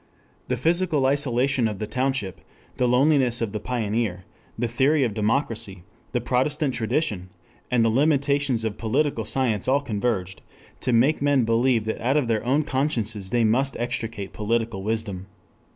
The physical isolation of the township, the loneliness of the pioneer, the theory of democracy, the Protestant tradition, and the limitations of political science all converged to make men believe that out of their own consciences they must extricate political wisdom.